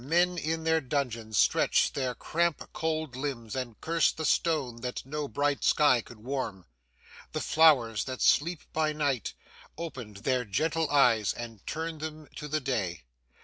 Men in their dungeons stretched their cramp cold limbs and cursed the stone that no bright sky could warm. The flowers that sleep by night, opened their gentle eyes and turned them to the day.